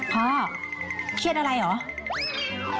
พ่อเครียดอะไรเหรอ